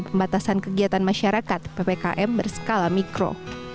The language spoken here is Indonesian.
pembatasan kegiatan masyarakat ppkm berskala mikro